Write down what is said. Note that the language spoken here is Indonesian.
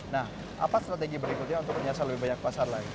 nah apa strategi berikutnya untuk menyasar lebih banyak pasar lain